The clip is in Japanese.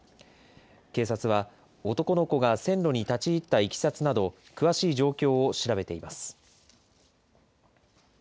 警察は男の子が線路に立ち入ったいきさつなど詳しい状況を調べています。